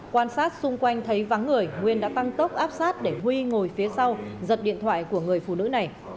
quan sát xung quanh thấy vắng người nguyên đã tăng tốc áp sát để huy ngồi phía sau giật điện thoại của người phụ nữ này